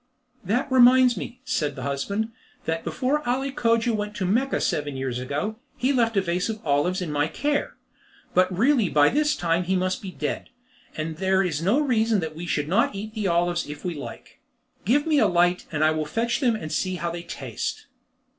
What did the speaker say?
"That reminds me," said the husband, "that before Ali Cogia went to Mecca seven years ago, he left a vase of olives in my care. But really by this time he must be dead, and there is no reason we should not eat the olives if we like. Give me a light, and I will fetch them and see how they taste."